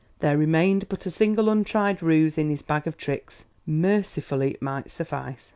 There remained but a single untried ruse in his bag of tricks; mercifully it might suffice.